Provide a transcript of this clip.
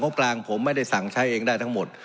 กลางผมไม่ได้สั่งใช้เองได้ทั้งหมด